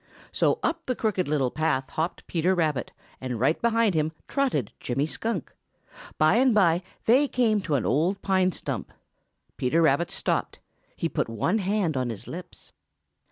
So up the Crooked Little Path hopped Peter Rabbit, and right behind him trotted Jimmy Skunk. By and by they came to an old pine stump. Peter Rabbit stopped. He put one hand on his lips.